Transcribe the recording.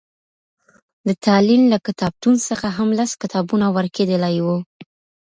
د تالين له کتابتون څخه هم لس کتابونه ورکېدلي وو.